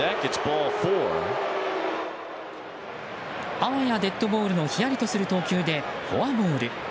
あわやデッドボールのひやりとする投球でフォアボール。